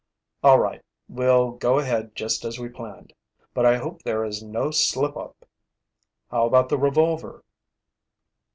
"All right, we'll go ahead just as we planned, but I hope there is no slip up. How about the revolver?"